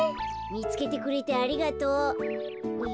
みつけてくれてありがとう。